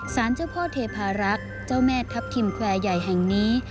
สารเจ้าพ่อเทพารักษ์เจ้าแม่ทัพทิมแควร์ใหญ่แห่งนี้